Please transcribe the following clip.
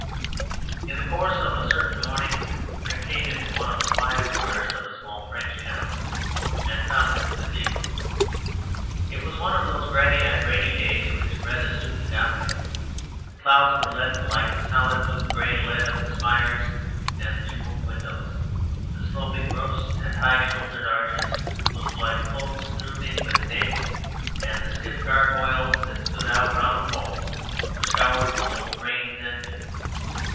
In the course of a certain morning I came into one of the quiet squares of a small French town and found its cathedral. It was one of those gray and rainy days which rather suit the Gothic. The clouds were leaden, like the solid blue gray lead of the spires and the jewelled windows; the sloping roofs and high shouldered arches looked like cloaks drooping with damp; and the stiff gargoyles that stood out round the walls were scoured with old rains and new.